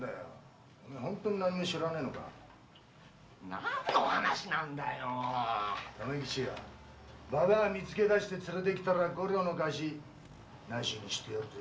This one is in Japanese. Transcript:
何の話なんだよ留吉ババア見つけて連れて来たら五両の貸し無しにしてやるぜ。